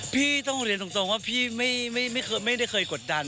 พี่ต้องเรียนตรงว่าพี่ไม่ได้เคยกดดัน